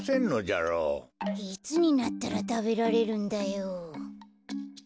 いつになったらたべられるんだよ。